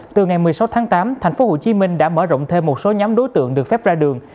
từ ngày một mươi sáu tháng tám tp hcm đã mở rộng thêm một số nhóm đối tượng được phép ra đường